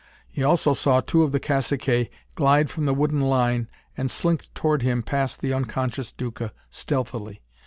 He also saw two of the caciques glide from the wooden line, and slink toward him past the unconscious Duca, stealthily.